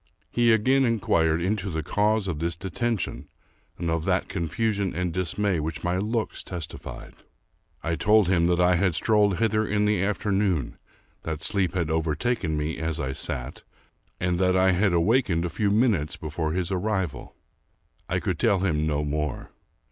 He again inquired into the cause of this deten tion, and of that confusion and dismay which my looks testified. I told him that I had strolled hither in the afternoon, that sleep had overtaken me as I sat, and that I had awakened a few minutes before his arrival. I could tell him no more.